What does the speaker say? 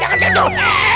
jangan liat dong